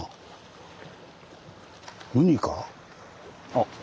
あっ